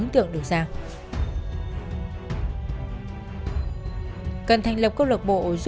tôi hô hóa lên